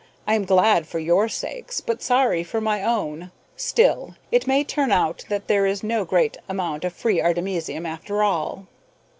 I am glad for your sakes, but sorry for my own. Still, it may turn out that there is no great amount of free artemisium after all."